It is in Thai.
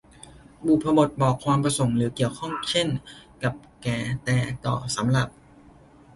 บุพบทบอกความประสงค์หรือเกี่ยวข้อง เช่น กับ แก่ แต่ ต่อ สำหรับ